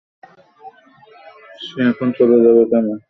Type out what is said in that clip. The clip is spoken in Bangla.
সে এখন চলে যাবে কেন?